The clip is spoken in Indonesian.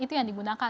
itu yang digunakan